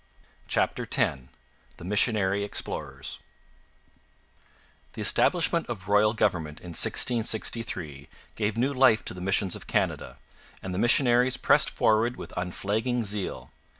CHAPTER X THE MISSIONARY EXPLORERS The establishment of royal government in 1663 gave new life to the missions of Canada, and the missionaries pressed forward with unflagging zeal.